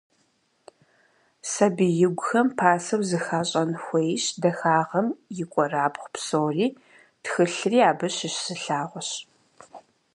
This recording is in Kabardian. Сабиигухэм пасэу зыхащӏэн хуейщ дахагъэм и кӏуэрабгъу псори, тхылъри абы щыщ зы лъагъуэщ.